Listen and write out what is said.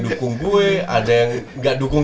dukung kue ada yang gak dukung